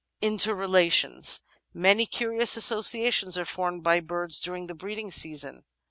Interrelations Many curious associations are formed by birds during the breeding season.